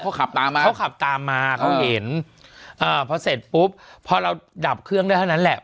เขาขับตามมาเขาขับตามมาเขาเห็นอ่าพอเสร็จปุ๊บพอเราดับเครื่องได้เท่านั้นแหละ